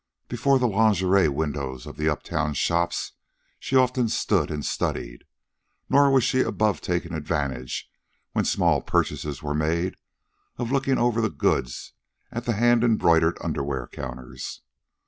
Before the lingerie windows of the uptown shops she often stood and studied; nor was she above taking advantage, when small purchases were made, of looking over the goods at the hand embroidered underwear counters.